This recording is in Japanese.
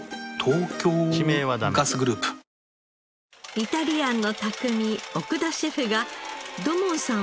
イタリアンの匠奥田シェフが土門さん